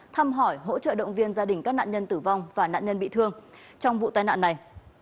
thăm hỏi hỗ trợ động viên gia đình các nạn nhân tử vong và nạn nhân bị thương trong vụ tai nạn này